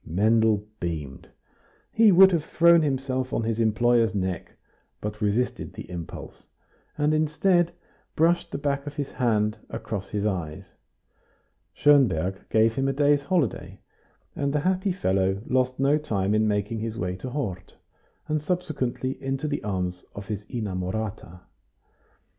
Mendel beamed. He would have thrown himself on his employer's neck, but resisted the impulse, and, instead, brushed the back of his hand across his eyes. Schonberg gave him a day's holiday, and the happy fellow lost no time in making his way to Hort, and subsequently into the arms of his inamorata. Mrs.